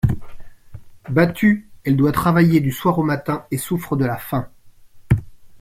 Battue, elle doit travailler du soir au matin et souffre de la faim.